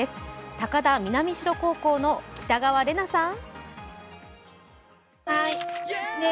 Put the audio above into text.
高田南城高校の北川怜奈さん。